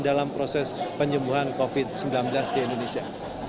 dalam proses penyembuhan covid sembilan belas di indonesia